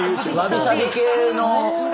わびさび系の。